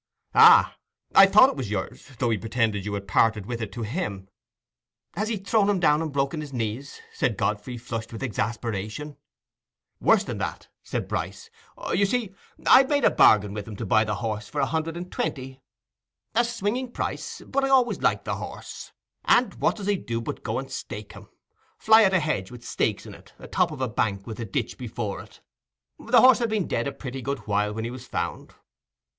"Ah, I thought it was yours, though he pretended you had parted with it to him." "Has he thrown him down and broken his knees?" said Godfrey, flushed with exasperation. "Worse than that," said Bryce. "You see, I'd made a bargain with him to buy the horse for a hundred and twenty—a swinging price, but I always liked the horse. And what does he do but go and stake him—fly at a hedge with stakes in it, atop of a bank with a ditch before it. The horse had been dead a pretty good while when he was found.